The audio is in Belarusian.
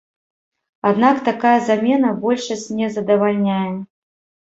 Аднак такая замена большасць не задавальняе.